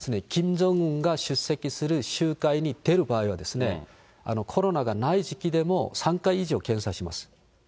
そういう可能性のほかにですね、キム・ジョンウンが出席する集会に出る場合は、コロナがない時期でも３回以上検査します。